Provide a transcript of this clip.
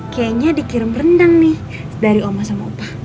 kayaknya dikirim rendang nih dari oma sama upah